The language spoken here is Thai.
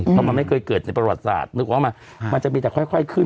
เพราะมันไม่เคยเกิดในประวัติศาสตร์นึกออกไหมมันจะมีแต่ค่อยขึ้น